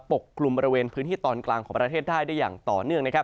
กลุ่มบริเวณพื้นที่ตอนกลางของประเทศได้ได้อย่างต่อเนื่องนะครับ